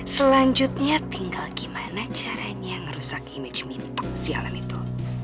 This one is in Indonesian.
selanjutnya tinggal gimana caranya ngerusak image me si alan itu